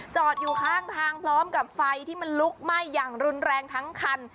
จอดอยู่ข้างทางพร้อมกับไฟที่มันลุกไหม้อย่างรุนแรงทั้งคัน